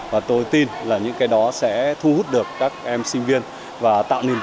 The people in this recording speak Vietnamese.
và tôi tin là những cái đó sẽ thu hút được các em sinh viên và tạo nên